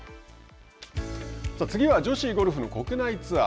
次は女子ゴルフの国内ツアー。